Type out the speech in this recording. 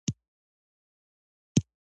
د تېر وخت خندا په زړګي کې ښخ ده.